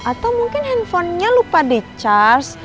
atau mungkin handphonenya lupa di charge